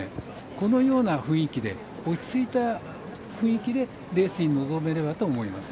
このような雰囲気で落ち着いた雰囲気でレースに臨めればと思います。